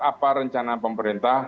apa rencana pemerintah